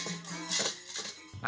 nanti kita akan menjelaskan